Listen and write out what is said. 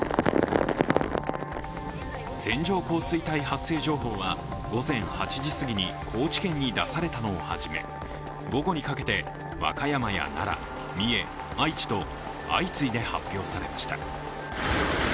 線状降水帯発生情報は午前８時すぎに高知県に出されたのをはじめ午後にかけて、和歌山や奈良、三重、愛知と相次いで発表されました。